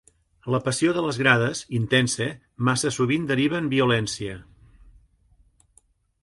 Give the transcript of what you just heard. La passió de les grades, intensa, massa sovint deriva en violència.